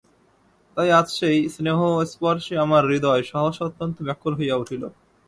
তাই আজ সেই স্নেহস্পর্শে আমার হৃদয় সহসা অত্যন্ত ব্যাকুল হইয়া উঠিল।